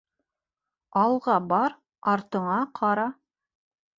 Алға бар, артыңа ҡара.